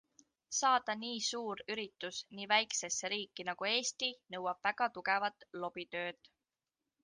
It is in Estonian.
Saada nii suur üritus nii väikesesse riiki nagu Eesti nõuab väga tugevat lobitööd.